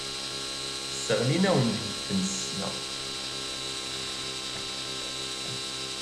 Sseɣlin-awen deg tfesna.